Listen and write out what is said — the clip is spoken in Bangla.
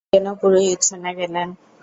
তিনি যেন পুরোই উচ্ছনে গেলেন।